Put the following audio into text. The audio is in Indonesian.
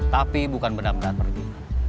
tapi bukan benar benar pergi